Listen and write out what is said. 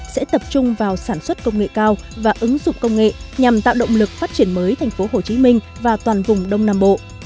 sẽ tập trung vào sản xuất công nghệ cao và ứng dụng công nghệ nhằm tạo động lực phát triển mới tp hcm và toàn vùng đông nam bộ